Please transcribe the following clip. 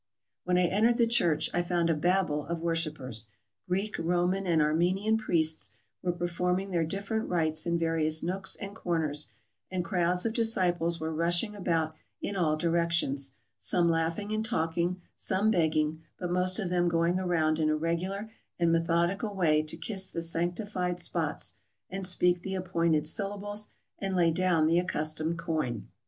When I entered the church I found a Babel of worship ers. Greek, Roman, and Armenian priests were perform ing their different rites in various nooks and corners, and crowds of disciples were rushing about in all directions — some laughing and talking, some begging, but most of them going around in a regular and methodical way to kiss the sanctified spots, and speak the appointed syllables, and lay down the accustomed coin.